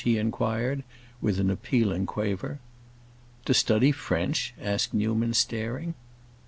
he inquired, with an appealing quaver. "To study French?" asked Newman, staring.